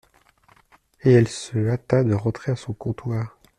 Et elle se hâta de rentrer à son comptoir.